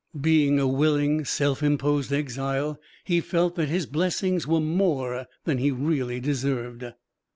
Being a willing, self imposed exile, he felt that his blessings were more than he really deserved.